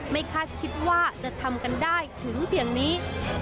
คาดคิดว่าจะทำกันได้ถึงเพียงนี้